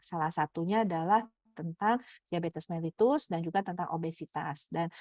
salah satunya adalah tentang diabetes mellitus dan juga tentang obesitas